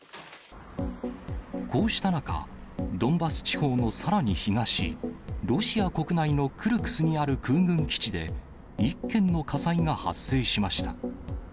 こうした中、ドンバス地方のさらに東、ロシア国内のクルスクにある空軍基地で、一件の火災が発生しました。